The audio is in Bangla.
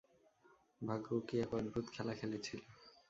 ভাগ্যও কী এক অদ্ভুত খেলা খেলেছিল।